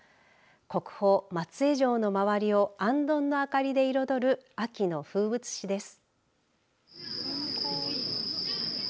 国宝、松江城の周りをあんどんの明かりで彩る秋の風物詩です。